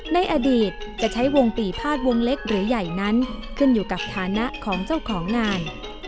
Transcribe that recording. ในอดีตจะใช้วงปีภาษณวงเล็กหรือใหญ่นั้นขึ้นอยู่กับฐานะของเจ้าของงาน